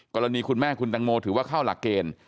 คุณแม่คุณตังโมถือว่าเข้าหลักเกณฑ์